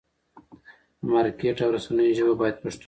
د مارکېټ او رسنیو ژبه باید پښتو وي.